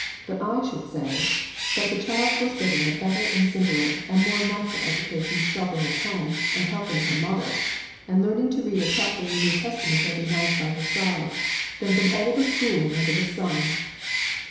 But I should say, that the child was getting a better and simpler, and more natural education stopping at home, and helping her mother, and learning to read a chapter in the New Testament every night by her side, than from all the schooling under the sun."